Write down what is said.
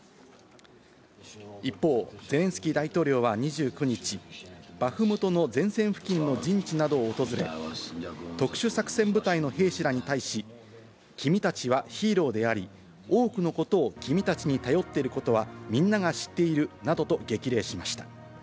一方、ゼレンスキー大統領は２９日、バフムトの前線付近の陣地などを訪れ、特殊作戦部隊の兵士らに対し、君たちはヒーローであり、多くのことを君たちに頼っていることは、みんなが知っているなどと激励しました。